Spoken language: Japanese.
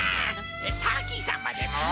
ターキーさんまでも？